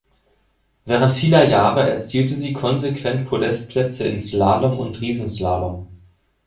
Während vieler Jahre erzielte sie konsequent Podestplätze in Slalom und Riesenslalom.